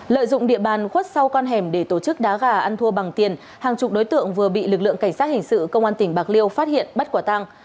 lợi dụng địa bàn khuất sau con hẻm để tổ chức đá gà ăn thua bằng tiền hàng chục đối tượng vừa bị lực lượng cảnh sát hình sự công an tỉnh bạc liêu phát hiện bắt quả tăng